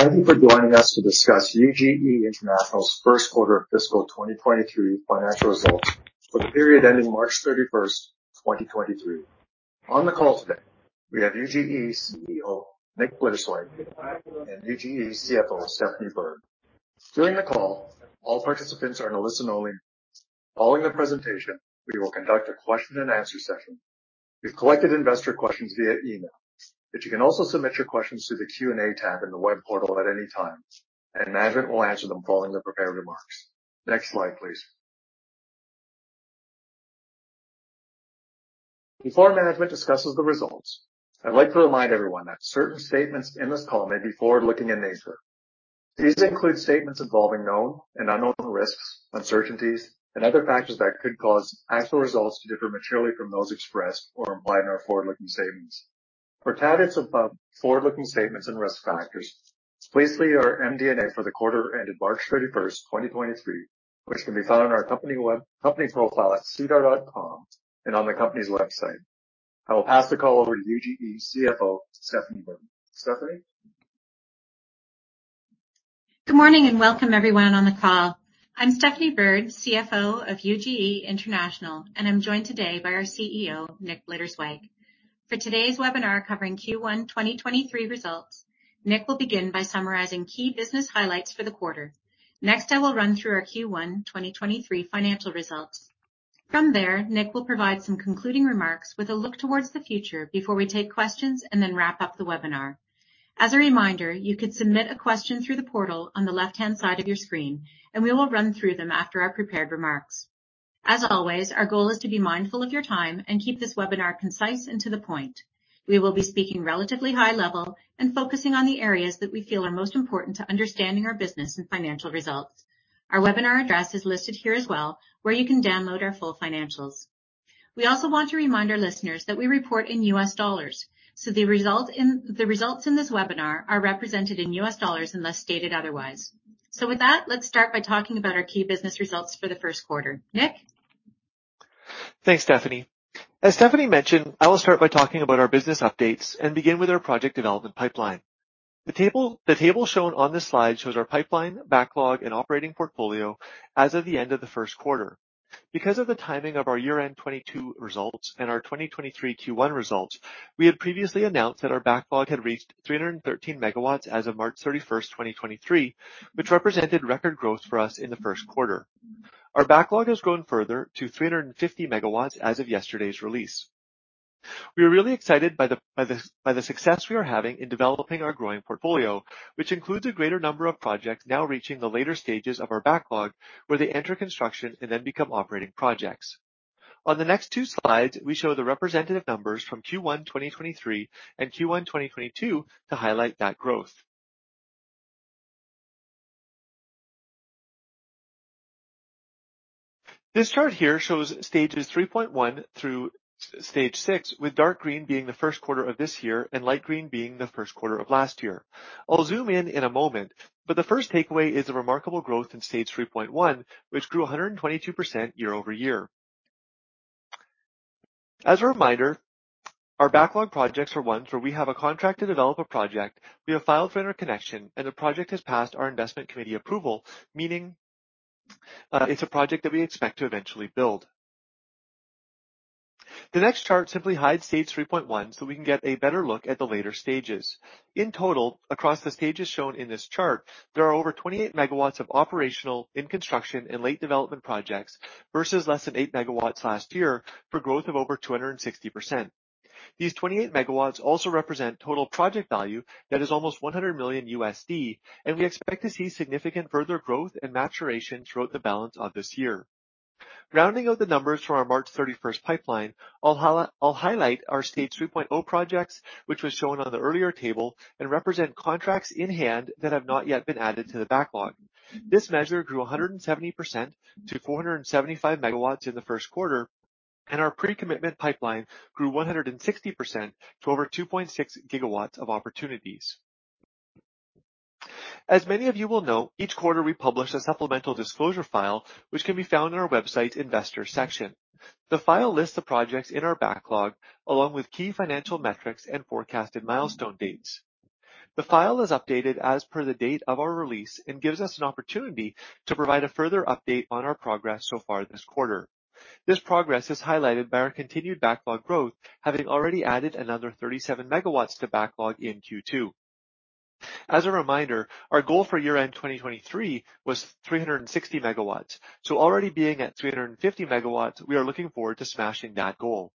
Thank you for joining us to discuss UGE International's 1st Quarter of Fiscal 2023 Financial Results for the period ending March 31st, 2023. On the call today, we have UGE's CEO, Nick Blitterswyk, and UGE's CFO, Stephanie Bird. During the call, all participants are on a listen-only. Following the presentation, we will conduct a question and answer session. We've collected investor questions via email, but you can also submit your questions through the Q&A tab in the web portal at any time, and management will answer them following the prepared remarks. Next slide, please. Before management discusses the results, I'd like to remind everyone that certain statements in this call may be forward-looking in nature. These include statements involving known and unknown risks, uncertainties, and other factors that could cause actual results to differ materially from those expressed or implied in our forward-looking statements. For caveats about forward-looking statements and risk factors, please see our MD&A for the quarter ended March thirty-first, twenty twenty-three, which can be found on our company profile at sedar.com and on the company's website. I will pass the call over to UGE CFO, Stephanie Bird. Stephanie? Good morning, welcome everyone on the call. I'm Stephanie Bird, CFO of UGE International. I'm joined today by our CEO, Nick Blitterswyk. For today's webinar covering Q1 2023 results, Nick will begin by summarizing key business highlights for the quarter. I will run through our Q1 2023 financial results. Nick will provide some concluding remarks with a look towards the future before we take questions and then wrap up the webinar. You could submit a question through the portal on the left-hand side of your screen. We will run through them after our prepared remarks. Our goal is to be mindful of your time and keep this webinar concise and to the point. We will be speaking relatively high level and focusing on the areas that we feel are most important to understanding our business and financial results. Our webinar address is listed here as well, where you can download our full financials. We also want to remind our listeners that we report in US dollars, so The results in this webinar are represented in US dollars, unless stated otherwise. With that, let's start by talking about our key business results for the first quarter. Nick? Thanks, Stephanie. As Stephanie mentioned, I will start by talking about our business updates and begin with our project development pipeline. The table shown on this slide shows our pipeline, backlog, and operating portfolio as of the end of the first quarter. Because of the timing of our year-end 2022 results and our 2023 Q1 results, we had previously announced that our backlog had reached 313 megawatts as of March 31st, 2023, which represented record growth for us in the first quarter. Our backlog has grown further to 350 megawatts as of yesterday's release. We are really excited by the success we are having in developing our growing portfolio, which includes a greater number of projects now reaching the later stages of our backlog, where they enter construction and then become operating projects. On the next two slides, we show the representative numbers from Q1 2023 and Q1 2022 to highlight that growth. This chart here shows Stage 3.1 through Stage 6, with dark green being the first quarter of this year and light green being the first quarter of last year. I'll zoom in in a moment, but the first takeaway is the remarkable growth in Stage 3.1, which grew 122% year-over-year. As a reminder, our backlog projects are ones where we have a contract to develop a project, we have filed for interconnection, and the project has passed our investment committee approval, meaning it's a project that we expect to eventually build. The next chart simply hides Stage 3.1, so we can get a better look at the later stages. In total, across the stages shown in this chart, there are over 28 MW of operational, in-construction, and late development projects, versus less than 8 MW last year, for growth of over 260%. These 28 MW also represent total project value that is almost $100 million, and we expect to see significant further growth and maturation throughout the balance of this year. Rounding out the numbers for our March 31st pipeline, I'll highlight our Stage 3.0 projects, which was shown on the earlier table and represent contracts in hand that have not yet been added to the backlog. This measure grew 170% to 475 MW in the first quarter, and our pre-commitment pipeline grew 160% to over 2.6 GW of opportunities. Many of you will know, each quarter we publish a supplemental disclosure file, which can be found on our website's investor section. The file lists the projects in our backlog, along with key financial metrics and forecasted milestone dates. The file is updated as per the date of our release and gives us an opportunity to provide a further update on our progress so far this quarter. This progress is highlighted by our continued backlog growth, having already added another 37 megawatts to backlog in Q2. A reminder, our goal for year-end 2023 was 360 megawatts, so already being at 350 megawatts, we are looking forward to smashing that goal.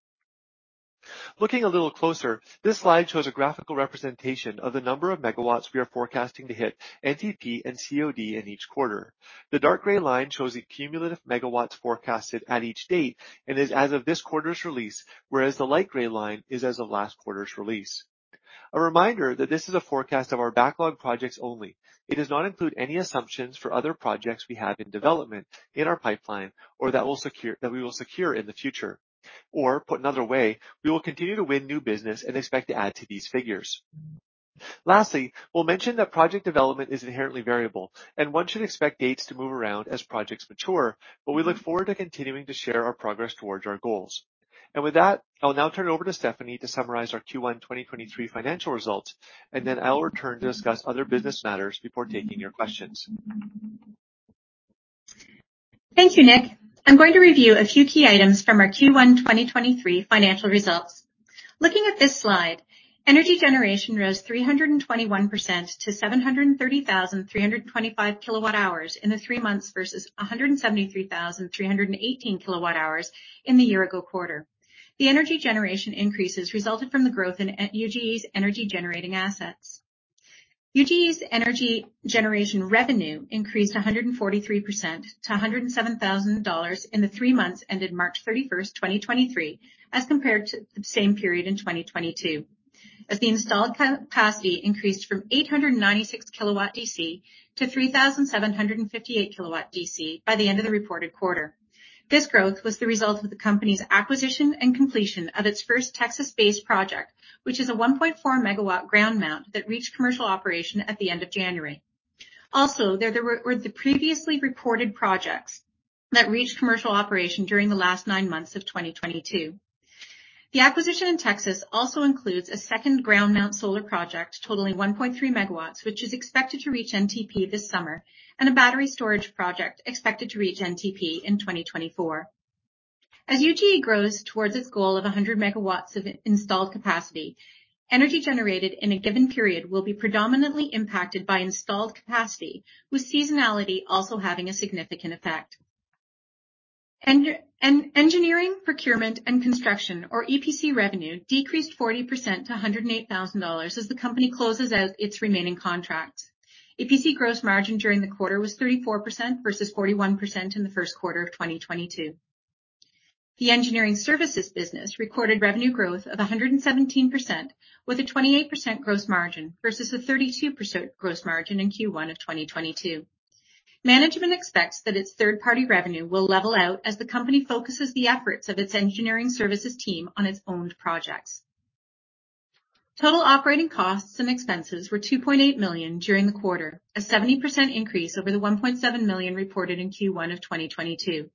Looking a little closer, this slide shows a graphical representation of the number of megawatts we are forecasting to hit NTP and COD in each quarter. The dark gray line shows the cumulative megawatts forecasted at each date and is as of this quarter's release, whereas the light gray line is as of last quarter's release. A reminder that this is a forecast of our backlog projects only. It does not include any assumptions for other projects we have in development in our pipeline or that we will secure in the future. Put another way, we will continue to win new business and expect to add to these figures. Lastly, we'll mention that project development is inherently variable, and one should expect dates to move around as projects mature, but we look forward to continuing to share our progress towards our goals. I'll now turn it over to Stephanie to summarize our Q1 2023 financial results, and then I will return to discuss other business matters before taking your questions. Thank you, Nick. I'm going to review a few key items from our Q1 2023 financial results. Looking at this slide, energy generation rose 321% to 730,325 kilowatt hours in the three months versus 173,318 kilowatt hours in the year ago quarter. The energy generation increases resulted from the growth in UGE's energy generating assets. UGE's energy generation revenue increased 143% to $107,000 in the three months ended March 31st, 2023, as compared to the same period in 2022. As the installed capacity increased from 896 kW DC to 3,758 kW DC by the end of the reported quarter. This growth was the result of the company's acquisition and completion of its first Texas-based project, which is a 1.4 MW ground mount that reached commercial operation at the end of January. Also, there were the previously reported projects that reached commercial operation during the last nine months of 2022. The acquisition in Texas also includes a second ground mount solar project, totaling 1.3 MW, which is expected to reach NTP this summer, and a battery storage project expected to reach NTP in 2024. As UGE grows towards its goal of 100 MW of installed capacity, energy generated in a given period will be predominantly impacted by installed capacity, with seasonality also having a significant effect. An engineering, procurement, and construction or EPC revenue decreased 40% to $108,000 as the company closes out its remaining contracts. EPC gross margin during the quarter was 34% versus 41% in the first quarter of 2022. The engineering services business recorded revenue growth of 117%, with a 28% gross margin versus a 32% gross margin in Q1 of 2022. Management expects that its third-party revenue will level out as the company focuses the efforts of its engineering services team on its owned projects. Total operating costs and expenses were $2.8 million during the quarter, a 70% increase over the $1.7 million reported in Q1 of 2022.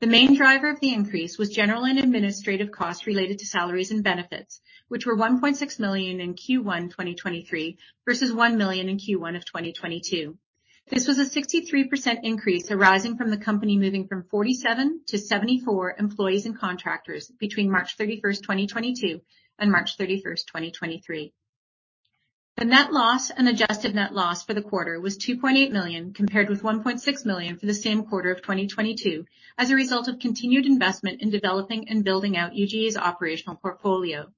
The main driver of the increase was general and administrative costs related to salaries and benefits, which were $1.6 million in Q1 2023 versus $1 million in Q1 of 2022. This was a 63% increase arising from the company moving from 47 to 74 employees and contractors between March 31st, 2022, and March 31st, 2023. The net loss and adjusted net loss for the quarter was $2.8 million, compared with $1.6 million for the same quarter of 2022, as a result of continued investment in developing and building out UGE's operational portfolio.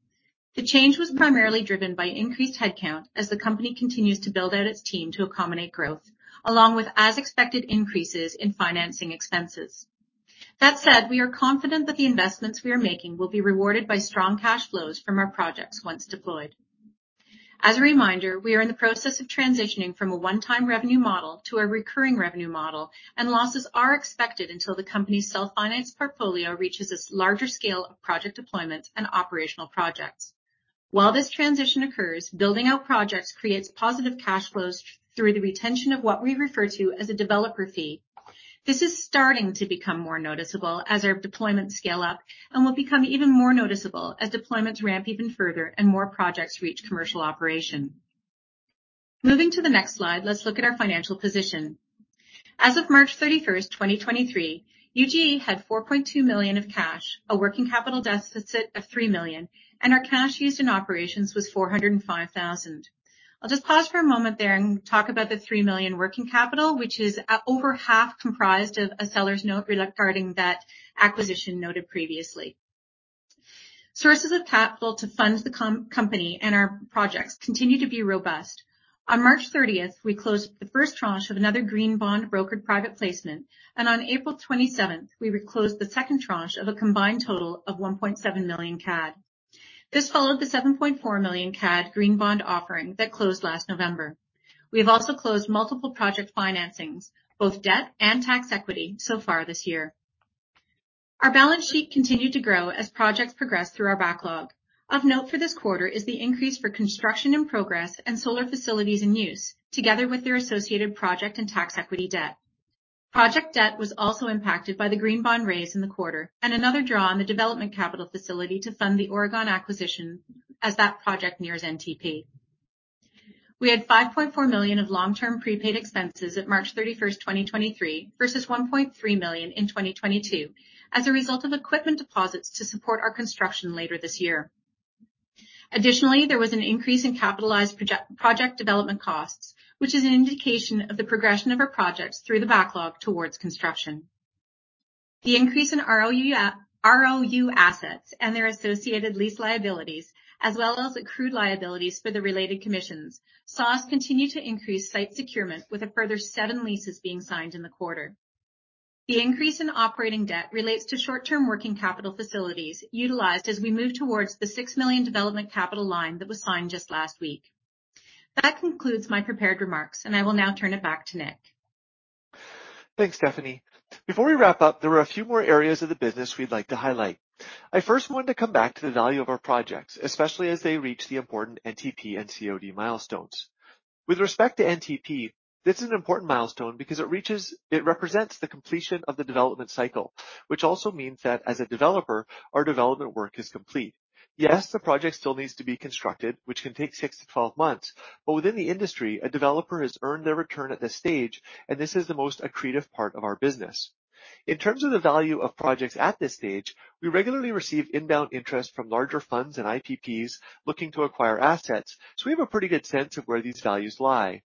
The change was primarily driven by increased headcount as the company continues to build out its team to accommodate growth, along with as-expected increases in financing expenses. That said, we are confident that the investments we are making will be rewarded by strong cash flows from our projects once deployed. As a reminder, we are in the process of transitioning from a one-time revenue model to a recurring revenue model, and losses are expected until the company's self-finance portfolio reaches a larger scale of project deployment and operational projects. While this transition occurs, building out projects creates positive cash flows through the retention of what we refer to as a developer fee. This is starting to become more noticeable as our deployments scale up and will become even more noticeable as deployments ramp even further and more projects reach commercial operation. Moving to the next slide, let's look at our financial position. As of March 31st, 2023, UGE had $4.2 million of cash, a working capital deficit of $3 million. Our cash used in operations was $405,000. I'll just pause for a moment there and talk about the $3 million working capital, which is over half comprised of a seller's note regarding that acquisition noted previously. Sources of capital to fund the company and our projects continue to be robust. On March 30th, we closed the first tranche of another green bond brokered private placement. On April 27th, we closed the second tranche of a combined total of 1.7 million CAD. This followed the 7.4 million CAD green bond offering that closed last November. We have also closed multiple project financings, both debt and tax equity, so far this year. Our balance sheet continued to grow as projects progressed through our backlog. Of note for this quarter is the increase for construction in progress and solar facilities in use, together with their associated project and tax equity debt. Project debt was also impacted by the green bond raise in the quarter and another draw on the development capital facility to fund the Oregon acquisition as that project nears NTP. We had $5.4 million of long-term prepaid expenses at March 31st, 2023, versus $1.3 million in 2022, as a result of equipment deposits to support our construction later this year. Additionally, there was an increase in capitalized project development costs, which is an indication of the progression of our projects through the backlog towards construction. The increase in ROU assets and their associated lease liabilities, as well as accrued liabilities for the related commissions, saw us continue to increase site procurement, with a further seven leases being signed in the quarter. The increase in operating debt relates to short-term working capital facilities utilized as we move towards the $6 million development capital line that was signed just last week. That concludes my prepared remarks. I will now turn it back to Nick. Thanks, Stephanie. Before we wrap up, there are a few more areas of the business we'd like to highlight. I first wanted to come back to the value of our projects, especially as they reach the important NTP and COD milestones. With respect to NTP, this is an important milestone because It represents the completion of the development cycle. Which also means that as a developer, our development work is complete. Yes, the project still needs to be constructed, which can take 6-12 months, but within the industry, a developer has earned their return at this stage, and this is the most accretive part of our business. In terms of the value of projects at this stage, we regularly receive inbound interest from larger funds and IPPs looking to acquire assets, so we have a pretty good sense of where these values lie.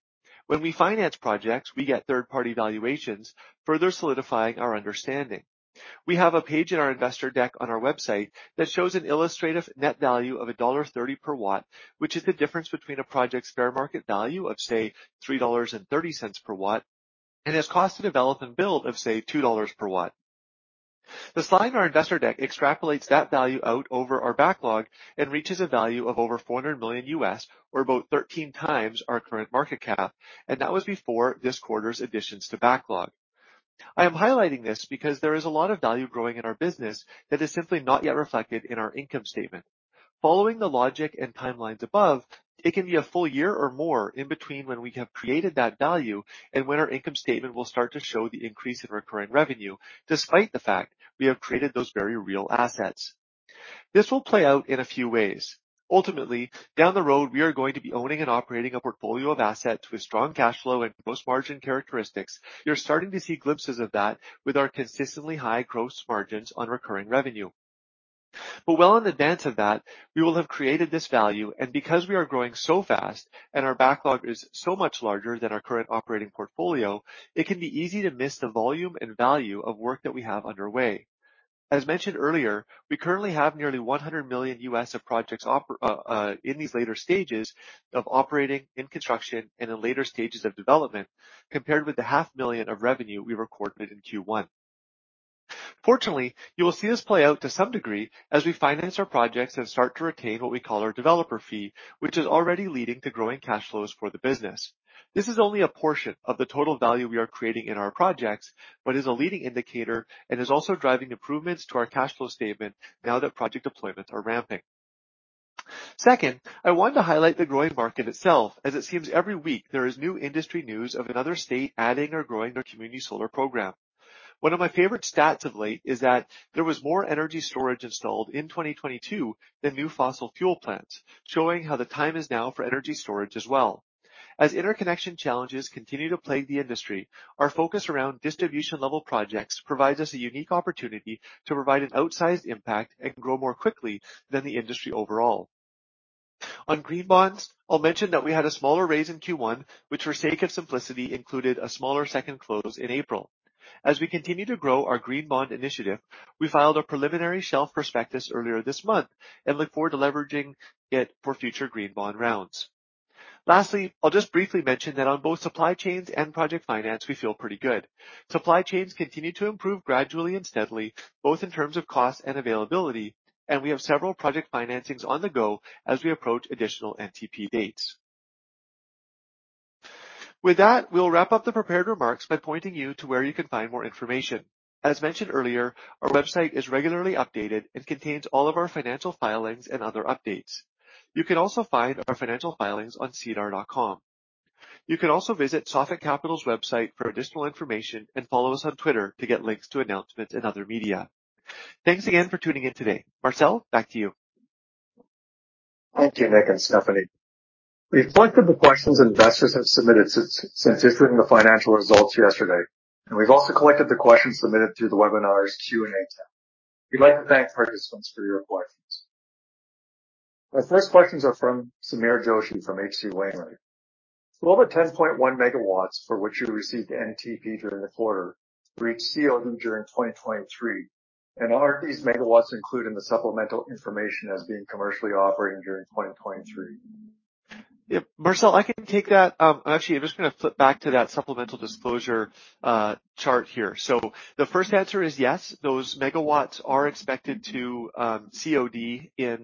When we finance projects, we get third-party valuations, further solidifying our understanding. We have a page in our investor deck on our website that shows an illustrative net value of $1.30 per watt, which is the difference between a project's fair market value of, say, $3.30 per watt, and its cost to develop and build of, say, $2 per watt. The slide in our investor deck extrapolates that value out over our backlog and reaches a value of over $400 million, or about 13 times our current market cap. That was before this quarter's additions to backlog. I am highlighting this because there is a lot of value growing in our business that is simply not yet reflected in our income statement. Following the logic and timelines above, it can be a full year or more in between when we have created that value and when our income statement will start to show the increase in recurring revenue, despite the fact we have created those very real assets. This will play out in a few ways. Ultimately, down the road, we are going to be owning and operating a portfolio of assets with strong cash flow and gross margin characteristics. You're starting to see glimpses of that with our consistently high gross margins on recurring revenue. Well in advance of that, we will have created this value, and because we are growing so fast and our backlog is so much larger than our current operating portfolio, it can be easy to miss the volume and value of work that we have underway. As mentioned earlier, we currently have nearly $100 million of projects in these later stages of operating, in construction, and in later stages of development, compared with the half million of revenue we recorded in Q1. Fortunately, you will see this play out to some degree as we finance our projects and start to retain what we call our developer fee, which is already leading to growing cash flows for the business. This is only a portion of the total value we are creating in our projects, but is a leading indicator and is also driving improvements to our cash flow statement now that project deployments are ramping. I wanted to highlight the growing market itself, as it seems every week there is new industry news of another state adding or growing their community solar program. One of my favorite stats of late is that there was more energy storage installed in 2022 than new fossil fuel plants, showing how the time is now for energy storage as well. As interconnection challenges continue to plague the industry, our focus around distribution-level projects provides us a unique opportunity to provide an outsized impact and grow more quickly than the industry overall. On green bonds, I'll mention that we had a smaller raise in Q1, which for sake of simplicity, included a smaller second close in April. As we continue to grow our green bond initiative, we filed a preliminary shelf prospectus earlier this month and look forward to leveraging it for future green bond rounds. Lastly, I'll just briefly mention that on both supply chains and project finance, we feel pretty good. Supply chains continue to improve gradually and steadily, both in terms of cost and availability, and we have several project financings on the go as we approach additional NTP dates. With that, we'll wrap up the prepared remarks by pointing you to where you can find more information. As mentioned earlier, our website is regularly updated and contains all of our financial filings and other updates. You can also find our financial filings on sedar.com. You can also visit Sophic Capital's website for additional information and follow us on Twitter to get links to announcements and other media. Thanks again for tuning in today. Marcel, back to you. Thank you, Nick and Stephanie. We've collected the questions investors have submitted since issuing the financial results yesterday, and we've also collected the questions submitted through the webinar's Q&A tab. We'd like to thank participants for your questions. Our first questions are from Sameer Joshi, from H.C. Wainwright & Co. Will the 10.1 megawatts for which you received NTP during the quarter reach COD during 2023? Are these megawatts included in the supplemental information as being commercially operating during 2023? Yep. Marcel, I can take that. Actually, I'm just going to flip back to that supplemental disclosure chart here. The first answer is yes, those megawatts are expected to COD in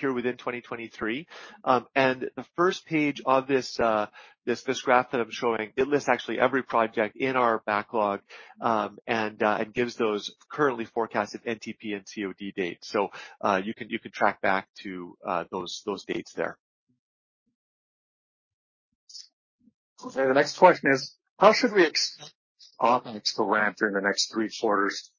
here within 2023. The first page of this graph that I'm showing, it lists actually every project in our backlog, and gives those currently forecasted NTP and COD dates. You can track back to those dates there. Okay, the next question is: How should we expect the ramp during the next three quarters?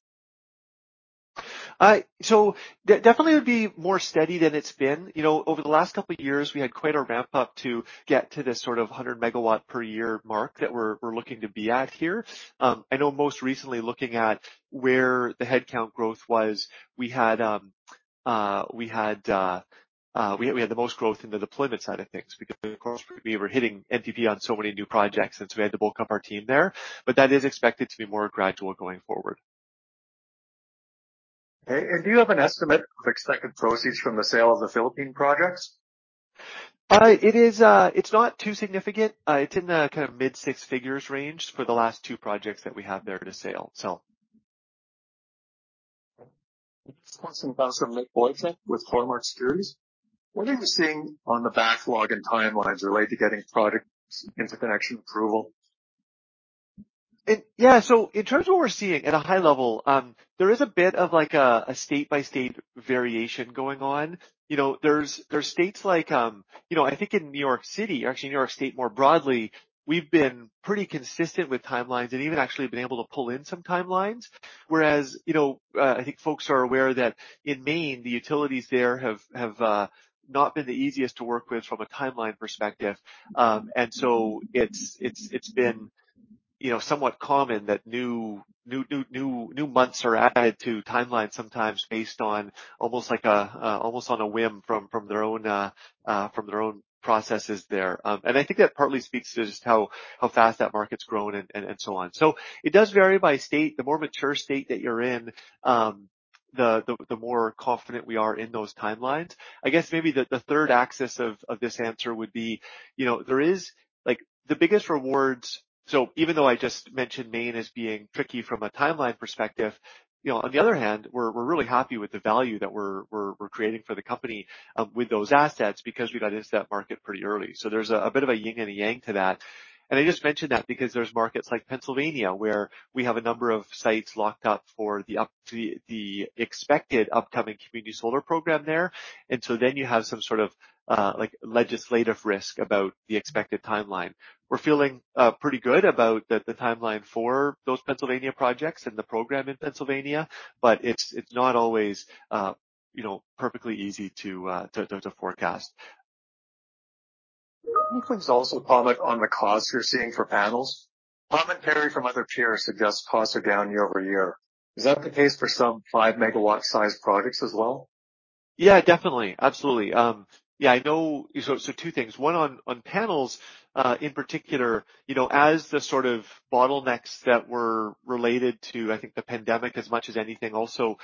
Definitely would be more steady than it's been. You know, over the last couple of years, we had quite a ramp-up to get to this sort of 100 megawatt per year mark that we're looking to be at here. I know most recently, looking at where the headcount growth was, we had the most growth in the deployment side of things because, of course, we were hitting NTP on so many new projects, since we had to bulk up our team there. That is expected to be more gradual going forward. Okay. Do you have an estimate of expected proceeds from the sale of the Philippine projects? It is, it's not too significant. It's in the mid six figures range for the last two projects that we have there to sell, so. Next question comes from Nick Boychuk with Cormark Securities. What are you seeing on the backlog and timelines related to getting project interconnection approval? Yeah, in terms of what we're seeing at a high level, there is a bit of like a state-by-state variation going on. You know, there's states like, you know, I think in New York City, actually New York State more broadly, we've been pretty consistent with timelines and even actually been able to pull in some timelines. Whereas, you know, I think folks are aware that in Maine, the utilities there have not been the easiest to work with from a timeline perspective. It's been, you know, somewhat common that new months are added to timelines, sometimes based on almost like a almost on a whim from their own from their own processes there. I think that partly speaks to just how fast that market's grown and so on. It does vary by state. The more mature state that you're in, the more confident we are in those timelines. I guess maybe the third axis of this answer would be, you know, there is like the biggest rewards. Even though I just mentioned Maine as being tricky from a timeline perspective, you know, on the other hand, we're really happy with the value that we're creating for the company with those assets because we got into that market pretty early. There's a bit of a yin and a yang to that. I just mentioned that because there's markets like Pennsylvania, where we have a number of sites locked up for the expected upcoming community solar program there. You have some sort of like legislative risk about the expected timeline. We're feeling pretty good about the timeline for those Pennsylvania projects and the program in Pennsylvania, but it's not always, you know, perfectly easy to forecast. Can you please also comment on the costs you're seeing for panels? Commentary from other peers suggests costs are down year-over-year. Is that the case for some 5-megawatt-sized projects as well? Yeah, definitely. Absolutely. Yeah, I know. Two things. One, on panels in particular, you know, as the sort of bottlenecks that were related to, I think, the pandemic as much as anything, also,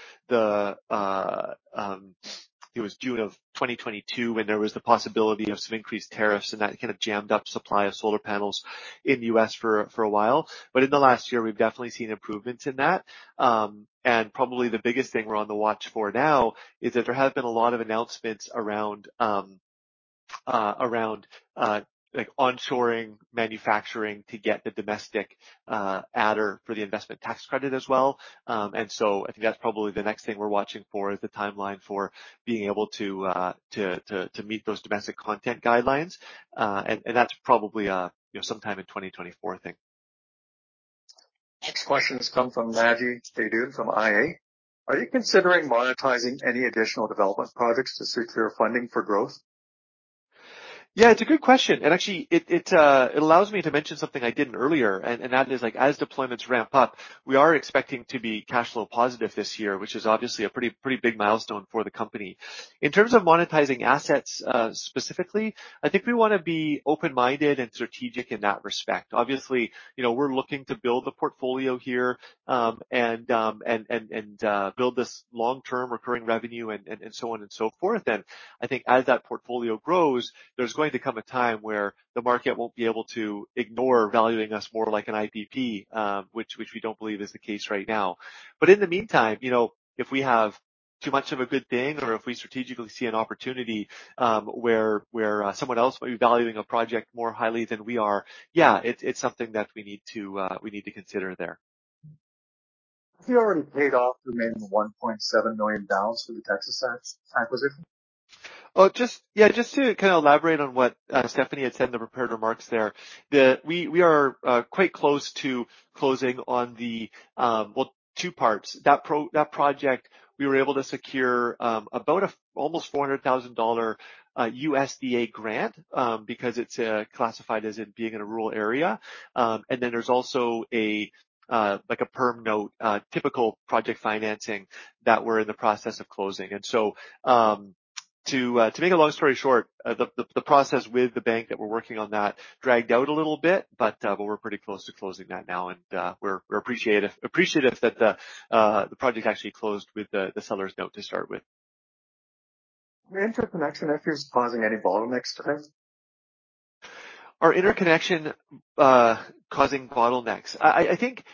it was June of 2022, when there was the possibility of some increased tariffs, and that kind of jammed up supply of solar panels in the US for a while. In the last year, we've definitely seen improvements in that. Probably the biggest thing we're on the watch for now is that there have been a lot of announcements around, like, onshoring manufacturing to get the domestic adder for the investment tax credit as well. I think that's probably the next thing we're watching for, is the timeline for being able to meet those domestic content guidelines. That's probably, you know, sometime in 2024, I think. Next question has come from Naji Baydoun from iA. Are you considering monetizing any additional development projects to secure funding for growth? Yeah, it's a good question, actually, it allows me to mention something I didn't earlier, and that is like, as deployments ramp up, we are expecting to be cash flow positive this year, which is obviously a pretty big milestone for the company. In terms of monetizing assets, specifically, I think we wanna be open-minded and strategic in that respect. Obviously, you know, we're looking to build a portfolio here, and build this long-term recurring revenue and so on and so forth. I think as that portfolio grows, there's going to come a time where the market won't be able to ignore valuing us more like an IPP, which we don't believe is the case right now. In the meantime, you know, if we have too much of a good thing or if we strategically see an opportunity, where someone else might be valuing a project more highly than we are, yeah, it's something that we need to consider there. Have you already paid off the remaining $1.7 million for the Texas acquisition? Just to kind of elaborate on what Stephanie had said in the prepared remarks there, that we are quite close to closing on the, well, two parts. That project, we were able to secure about almost a $400,000 USDA grant because it's classified as it being in a rural area. And then there's also a like a perm note, typical project financing that we're in the process of closing. So to make a long story short, the process with the bank that we're working on that dragged out a little bit, but we're pretty close to closing that now, and we're appreciative that the project actually closed with the seller's note to start with. Interconnection, if you're causing any bottlenecks today? Are interconnection causing bottlenecks? I think,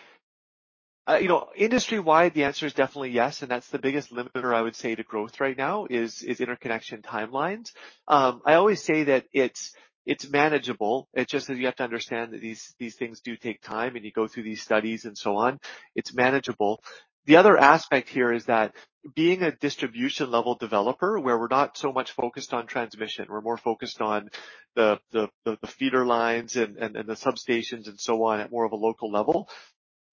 you know, industry-wide, the answer is definitely yes, and that's the biggest limiter I would say to growth right now is interconnection timelines. I always say that it's manageable. It's just that you have to understand that these things do take time, and you go through these studies and so on. It's manageable. The other aspect here is that being a distribution-level developer, where we're not so much focused on transmission, we're more focused on the feeder lines and the substations and so on, at more of a local level,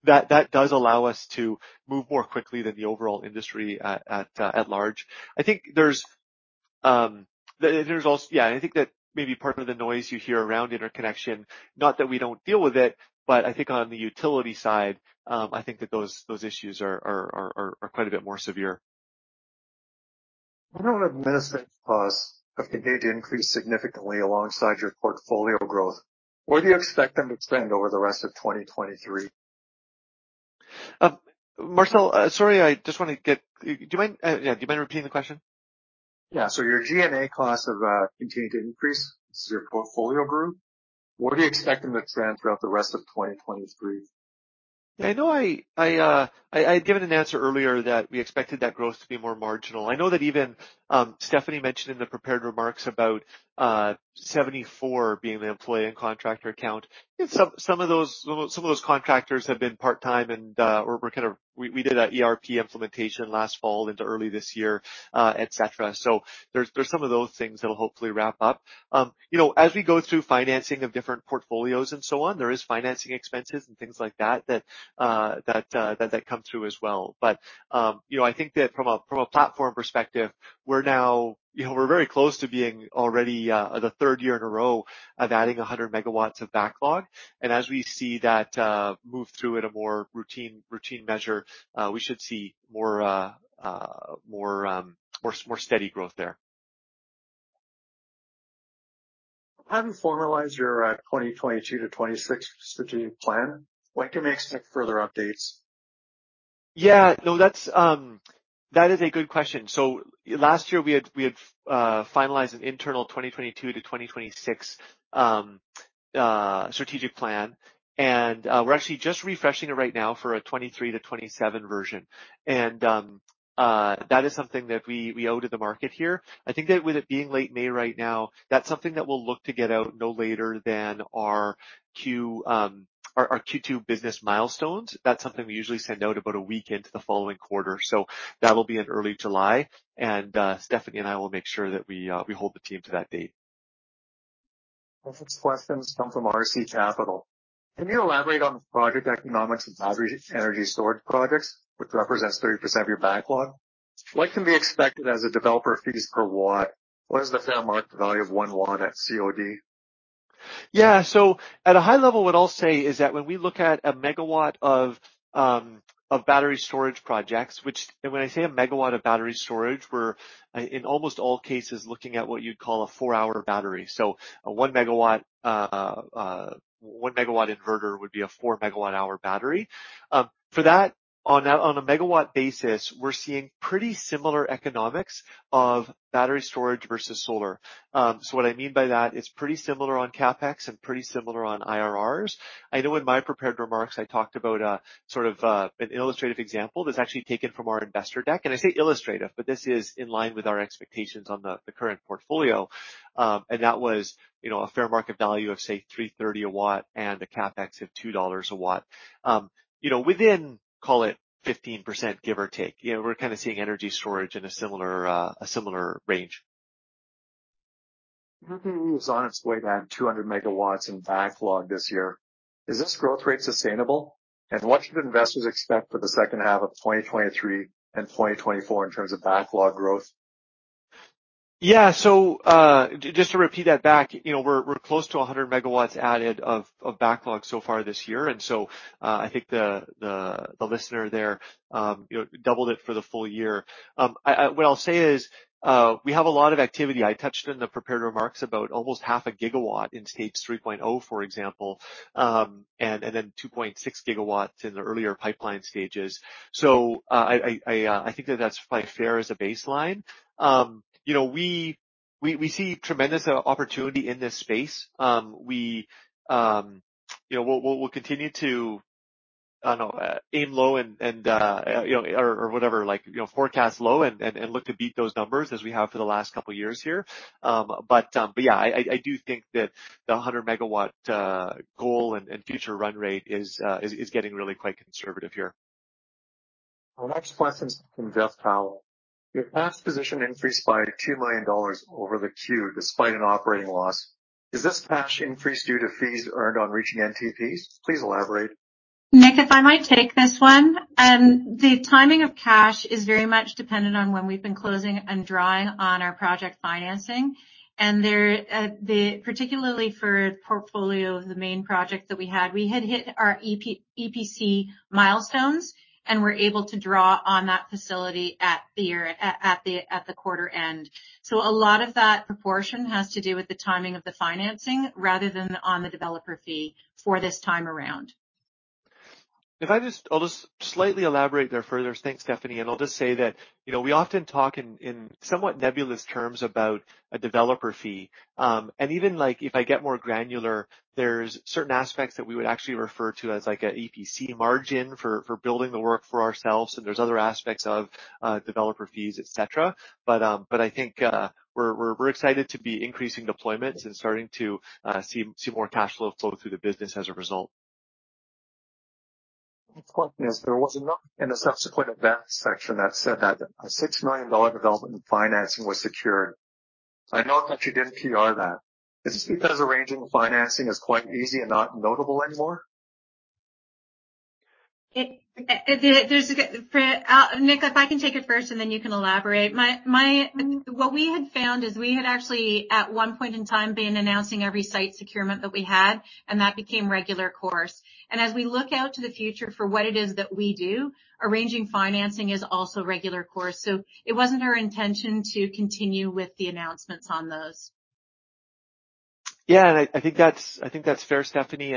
that does allow us to move more quickly than the overall industry at large. I think there's also... Yeah, I think that maybe part of the noise you hear around interconnection, not that we don't deal with it, but I think on the utility side, I think that those issues are quite a bit more severe. What about administrative costs have continued to increase significantly alongside your portfolio growth? Where do you expect them to trend over the rest of 2023? Marcel, sorry, do you mind repeating the question? Yeah. Your G&A costs have continued to increase as your portfolio grew. Where do you expect them to trend throughout the rest of 2023? I know I had given an answer earlier that we expected that growth to be more marginal. I know that even Stephanie mentioned in the prepared remarks about 74 being the employee and contractor count. Some of those contractors have been part-time and we did an ERP implementation last fall into early this year, et cetera. There's some of those things that'll hopefully wrap up. You know, as we go through financing of different portfolios and so on, there is financing expenses and things like that that come through as well. You know, I think that from a platform perspective, we're now, you know, we're very close to being already the third year in a row of adding 100 megawatts of backlog. As we see that move through at a more routine measure, we should see more steady growth there. Having formalized your 2022 to 2026 strategic plan, when can we expect further updates? Yeah, no, that's. That is a good question. Last year, we had finalized an internal 2022-2026 strategic plan, and we're actually just refreshing it right now for a 2023-2027 version. That is something that we owe to the market here. I think that with it being late May right now, that's something that we'll look to get out no later than our Q2 business milestones. That's something we usually send out about a week into the following quarter, so that'll be in early July. Stephanie and I will make sure that we hold the team to that date. Next questions come from RC Capital. Can you elaborate on the project economics and battery energy storage projects, which represents 30% of your backlog? What can be expected as a developer fees per watt? What is the fair market value of 1 watt at COD? At a high level, what I'll say is that when we look at a megawatt of battery storage projects, and when I say a megawatt of battery storage, we're in almost all cases, looking at what you'd call a four-hour battery. A 1 megawatt, 1 megawatt inverter would be a 4 megawatt-hour battery. For that, on a megawatt basis, we're seeing pretty similar economics of battery storage versus solar. What I mean by that, it's pretty similar on CapEx and pretty similar on IRRs. I know in my prepared remarks, I talked about sort of an illustrative example that's actually taken from our investor deck. I say illustrative, but this is in line with our expectations on the current portfolio. That was, you know, a fair market value of, say, $3.30 a watt and a CapEx of $2 a watt. You know, within, call it 15%, give or take. You know, we're kind of seeing energy storage in a similar, a similar range. Is on its way to 200 megawatts in backlog this year. Is this growth rate sustainable? What should investors expect for the second half of 2023 and 2024 in terms of backlog growth? Yeah. just to repeat that back, you know, we're close to 100 megawatts added of backlog so far this year. I think the listener there, you know, doubled it for the full year. What I'll say is, we have a lot of activity. I touched in the prepared remarks about almost half a gigawatt in Stage 3.0, for example, then 2.6 gigawatts in the earlier pipeline stages. I think that's quite fair as a baseline. you know, we see tremendous opportunity in this space. We, you know, we'll continue to, I don't know, aim low and, you know, or whatever, like, you know, forecast low and look to beat those numbers as we have for the last couple of years here. Yeah, I do think that the 100 megawatt goal and future run rate is getting really quite conservative here. Our next question is from Jeff Powell. Your cash position increased by $2 million over the Q, despite an operating loss. Is this cash increase due to fees earned on reaching NTPs? Please elaborate. Nick, if I might take this one. The timing of cash is very much dependent on when we've been closing and drawing on our project financing. There, particularly for the portfolio of the main project that we had, we had hit our EPC milestones, and we're able to draw on that facility at the quarter end. A lot of that proportion has to do with the timing of the financing, rather than on the developer fee for this time around. I'll just slightly elaborate there further. Thanks, Stephanie. I'll just say that, you know, we often talk in somewhat nebulous terms about a developer fee. Even like, if I get more granular, there's certain aspects that we would actually refer to as like an EPC margin for building the work for ourselves, there's other aspects of developer fees, et cetera. I think we're excited to be increasing deployments and starting to see more cash flow flow through the business as a result. Next question is, there was a note in the subsequent events section that said that a $6 million development in financing was secured. I note that you didn't PR that. Is this because arranging financing is quite easy and not notable anymore? Nick, if I can take it first, and then you can elaborate. What we had found is we had actually, at one point in time, been announcing every site securement that we had, and that became regular course. As we look out to the future for what it is that we do, arranging financing is also regular course. It wasn't our intention to continue with the announcements on those. I think that's fair, Stephanie.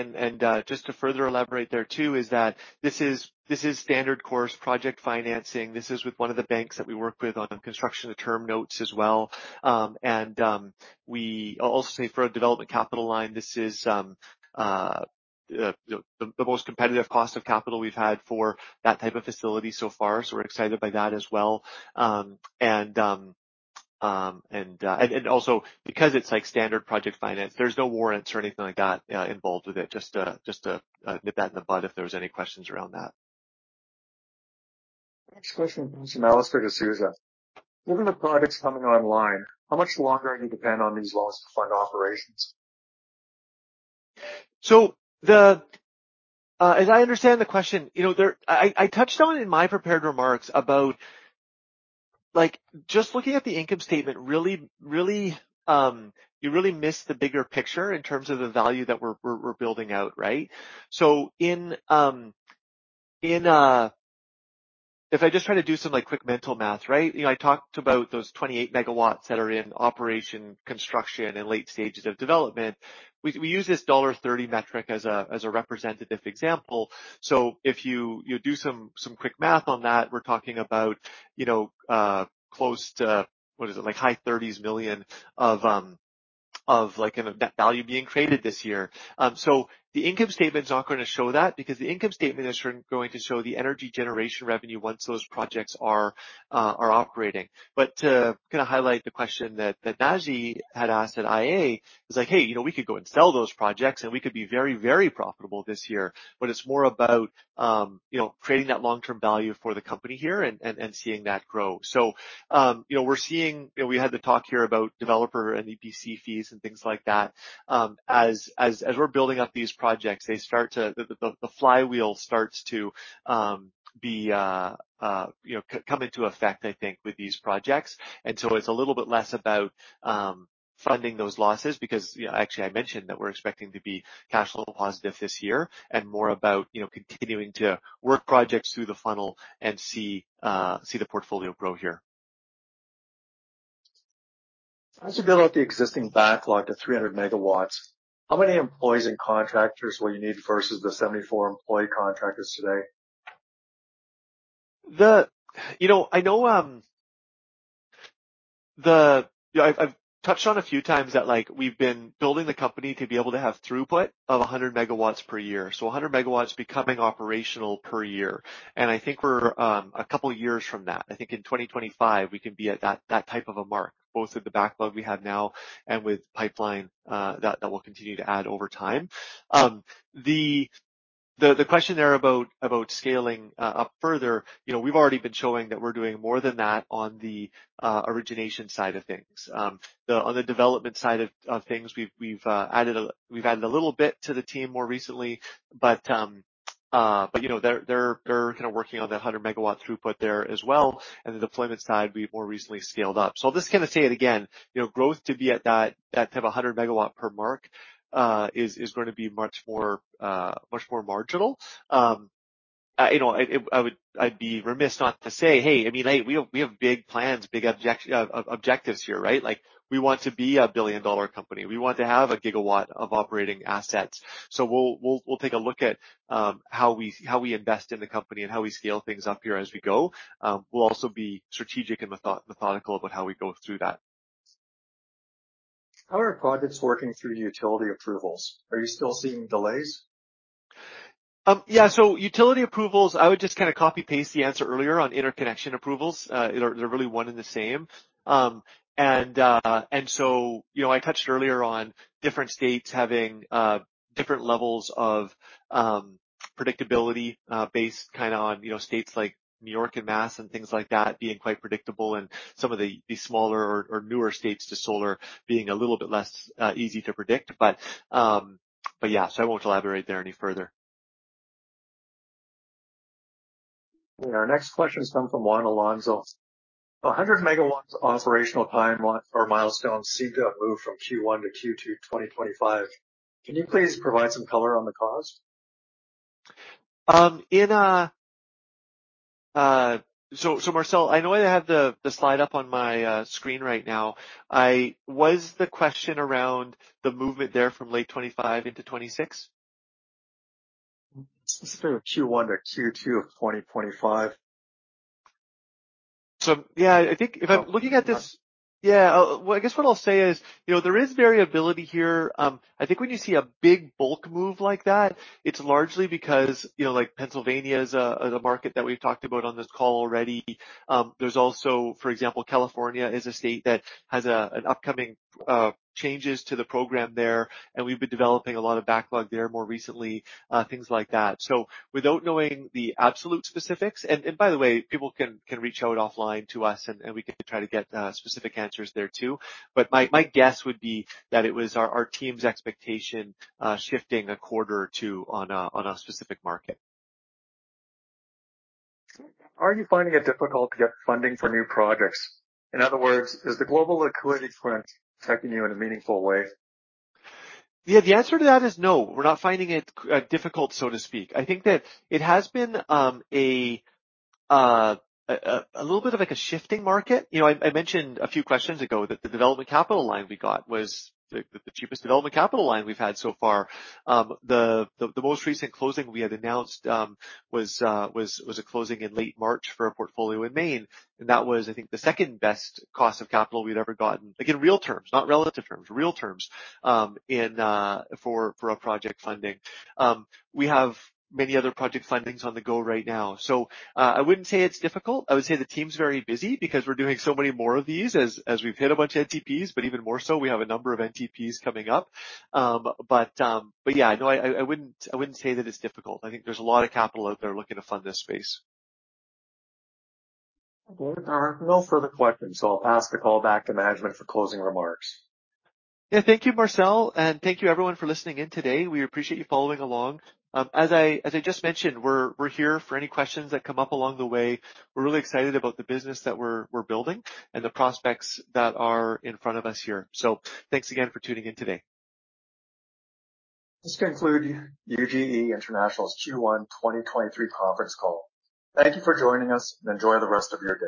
Just to further elaborate there, too, is that this is standard course project financing. This is with one of the banks that we work with on construction of term notes as well. I'll also say for a development capital line, this is the most competitive cost of capital we've had for that type of facility so far, so we're excited by that as well. Also because it's like standard project finance, there's no warrants or anything like that involved with it. Just to nip that in the bud if there was any questions around that. Next question comes from Alistair de Sousa. Given the projects coming online, how much longer are you depend on these laws to fund operations? The, as I understand the question, you know, I touched on in my prepared remarks about, like, just looking at the income statement, really, you really miss the bigger picture in terms of the value that we're building out, right? In, If I just try to do some, like, quick mental math, right? You know, I talked about those 28 megawatts that are in operation, construction, and late stages of development. We use this $1.30 metric as a representative example. If you do some quick math on that, we're talking about, you know, close to, what is it? Like, high thirties million of like a net value being created this year. The income statement is not going to show that because the income statement is going to show the energy generation revenue once those projects are operating. To kinda highlight the question that Naji had asked at iA, is, "Hey, you know, we could go and sell those projects, and we could be very, very profitable this year." It's more about, you know, creating that long-term value for the company here and seeing that grow. We're seeing... You know, we had the talk here about developer and EPC fees and things like that. As we're building up these projects, they start to, the flywheel starts to, be, you know, come into effect, I think, with these projects. It's a little bit less about funding those losses because, you know, actually, I mentioned that we're expecting to be cash flow positive this year, and more about, you know, continuing to work projects through the funnel and see the portfolio grow here. As you build out the existing backlog to 300 megawatts, how many employees and contractors will you need versus the 74 employee contractors today? You know, I know, I've touched on a few times that, like, we've been building the company to be able to have throughput of 100 megawatts per year, so 100 megawatts becoming operational per year. I think we're a couple of years from that. I think in 2025, we can be at that type of a mark, both with the backlog we have now and with pipeline that will continue to add over time. The question there about scaling up further, you know, we've already been showing that we're doing more than that on the origination side of things. The, on the development side of things, we've added a little bit to the team more recently, but you know, they're kinda working on that 100-megawatt throughput there as well, and the deployment side, we've more recently scaled up. I'll just kinda say it again, you know, growth to be at that type of 100 megawatt per mark, is going to be much more marginal. You know, it, I'd be remiss not to say, "Hey, I mean, like, we have big plans, big objectives here, right?" Like, we want to be a billion-dollar company. We want to have a gigawatt of operating assets. We'll take a look at how we invest in the company and how we scale things up here as we go. We'll also be strategic and methodical about how we go through that. How are projects working through utility approvals? Are you still seeing delays? Yeah, utility approvals, I would just copy-paste the answer earlier on interconnection approvals. They're really one and the same. You know, I touched earlier on different states having different levels of predictability, based kind of on, you know, states like New York and Mass and things like that being quite predictable, and some of the smaller or newer states to solar being a little bit less easy to predict. Yeah, I won't elaborate there any further. Our next question has come from Juan Alonso. 100 megawatts operational timeline or milestone seemed to have moved from Q1 to Q2 2025. Can you please provide some color on the cause? Marcel, I know I have the slide up on my screen right now. Was the question around the movement there from late 2025 into 2026? It's sort of Q1 or Q2 of 2025. Yeah, I think if I'm looking at this, yeah, well, I guess what I'll say is, you know, there is variability here. I think when you see a big bulk move like that, it's largely because, you know, like Pennsylvania is a market that we've talked about on this call already. There's also, for example, California is a state that has an upcoming changes to the program there, and we've been developing a lot of backlog there more recently, things like that. Without knowing the absolute specifics, and by the way, people can reach out offline to us, and we can try to get specific answers there, too. My guess would be that it was our team's expectation, shifting a quarter or two on a specific market. Are you finding it difficult to get funding for new projects? In other words, is the global liquidity crunch affecting you in a meaningful way? Yeah, the answer to that is no. We're not finding it difficult, so to speak. I think that it has been a little bit of like a shifting market. You know, I mentioned a few questions ago that the development capital line we got was the cheapest development capital line we've had so far. The most recent closing we had announced was a closing in late March for a portfolio in Maine, and that was, I think, the second-best cost of capital we'd ever gotten. Again, real terms, not relative terms, real terms, in for a project funding. We have many other project fundings on the go right now. I wouldn't say it's difficult. I would say the team's very busy because we're doing so many more of these as we've hit a bunch of NTPs, but even more so, we have a number of NTPs coming up. But yeah, no, I wouldn't, I wouldn't say that it's difficult. I think there's a lot of capital out there looking to fund this space. There are no further questions, so I'll pass the call back to management for closing remarks. Yeah, thank you, Marcel. Thank you, everyone, for listening in today. We appreciate you following along. As I just mentioned, we're here for any questions that come up along the way. We're really excited about the business that we're building and the prospects that are in front of us here. Thanks again for tuning in today. This concludes UGE International's Q1 2023 Conference Call. Thank you for joining us, and enjoy the rest of your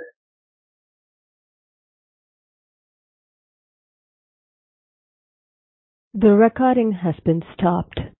day.